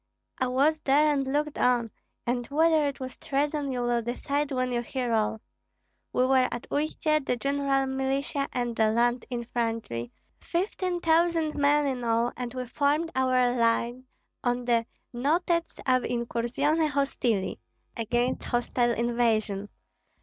"I was there and looked on, and whether it was treason you will decide when you hear all. We were at Uistsie, the general militia and the land infantry, fifteen thousand men in all, and we formed our lines on the Notets ab incursione hostili (against hostile invasion).